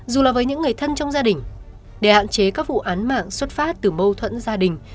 dù là với những người thân trong gia đình để hạn chế các vụ án mạng xuất phát từ mâu thuẫn gia đình